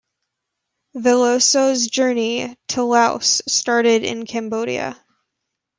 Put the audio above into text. Veloso's journey to Laos started in Cambodia.